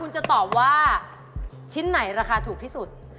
คุณจะตอบว่าชิ้นไหนราคาถูกที่สุด